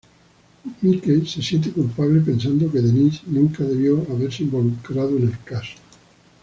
Mike se siente culpable, pensando que Denise nunca debió haberse involucrado en el caso.